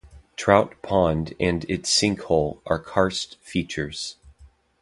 Trout Pond and its sinkhole are karst features.